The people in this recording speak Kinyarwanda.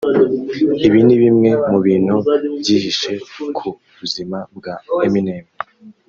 Ibi ni bimwe mu bintu byihishe ku buzima bwa Eminem